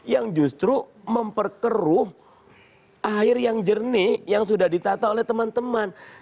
yang justru memperkeruh air yang jernih yang sudah ditata oleh teman teman